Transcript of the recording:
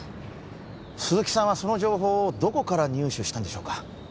鈴木さんはその情報をどこから入手したんでしょうか？